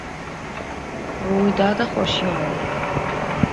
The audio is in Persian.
رویداد خوشیمن